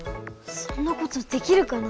そんなことできるかな？